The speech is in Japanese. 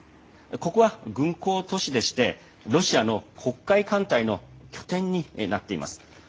ここは軍港都市でして、ロシアの黒海艦隊の拠点になっています。